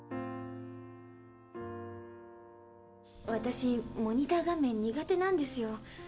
私モニター画面苦手なんですよ。